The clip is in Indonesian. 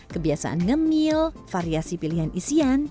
kebiasaan ngemil variasi pilihan isian